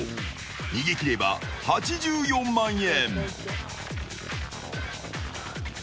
逃げ切れば８４万円。